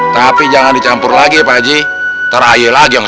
tapi jangan dicampur lagi pak haji terakhir lagi